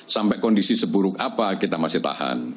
sampai kondisi seburuk apa kita masih tahan